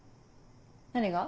何が？